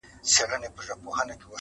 ځوانيمرگي اوړه څنگه اخښل كېږي!!